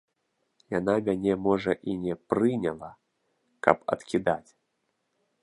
Яна мяне, можа, і не прыняла, каб адкідаць.